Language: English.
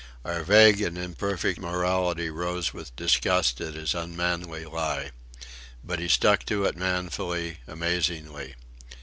Our vague and imperfect morality rose with disgust at his unmanly lie. But he stuck to it manfully amazingly.